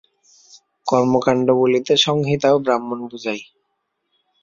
কর্মকাণ্ড বলিতে সংহিতা ও ব্রাহ্মণ বুঝায়।